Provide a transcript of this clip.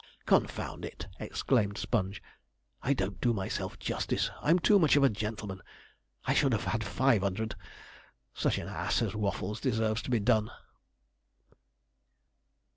'Confound it!' exclaimed Sponge, 'I don't do myself justice! I'm too much of a gentleman! I should have had five 'under'd such an ass as Waffles deserves to be done!'